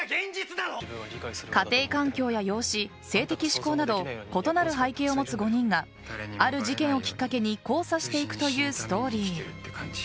家庭環境や容姿、性的指向など異なる背景を持つ５人がある事件をきっかけに交差していくというストーリー。